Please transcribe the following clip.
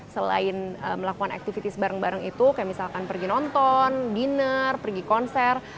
selain melakukan aktivitas bareng bareng itu kayak misalkan pergi nonton dinner pergi konser